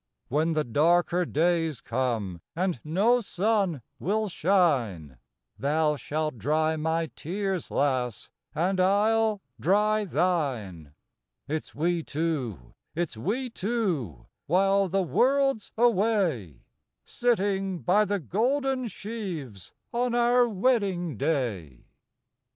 When the darker days come, and no sun will shine, Thou shalt dry my tears, lass, and I 'll dry thine. It's we two, it's we two, while the world's away, Sitting by the golden sheaves on our wedding day.